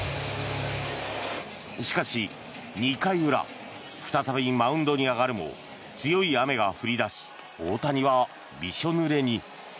しかし、２回裏再びマウンドに上がるも強い雨が降り出し大谷はびしょぬれに。